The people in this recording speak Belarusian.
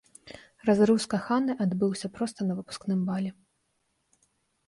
Разрыў з каханай адбыўся проста на выпускным балі.